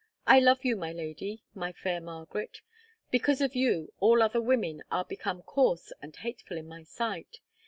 I love you, my lady, my fair Margaret; because of you, all other women are become coarse and hateful in my sight.